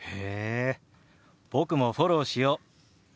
僕もフォローしよう。